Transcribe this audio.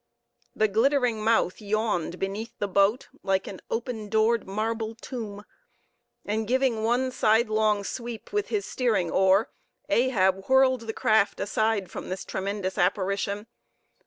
The glittering mouth yawned beneath the boat like an open doored marble tomb; and giving one sidelong sweep with his steering oar, Ahab whirled the craft aside from this tremendous apparition.